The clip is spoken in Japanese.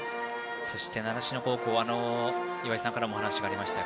習志野高校は岩井さんからもお話がありました